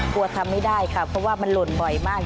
กลัวทำไม่ได้ค่ะเพราะว่ามันหล่นบ่อยมาก